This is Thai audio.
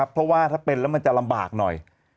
เพราะว่าถ้าเป็นแล้วมันจะลำบากหน่อย